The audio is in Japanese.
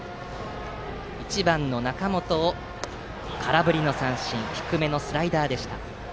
１番の中本を空振り三振低めのスライダーでした。